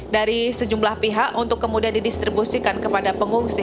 dari sejumlah pihak untuk kemudian didistribusikan kepada pengungsi